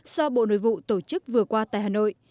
do bộ nội vụ tổ chức vừa qua tại hà nội